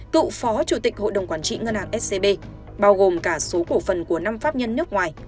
cựu phó chủ tịch hội đồng quản trị ngân hàng scb bao gồm cả số cổ phần của năm pháp nhân nước ngoài